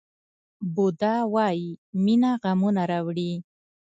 بودا وایي مینه غمونه راوړي.